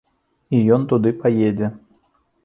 І ён туды паедзе.